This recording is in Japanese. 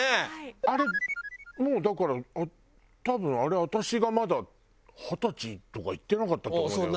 あれもうだから多分あれ私がまだ二十歳とかいってなかったと思うよ。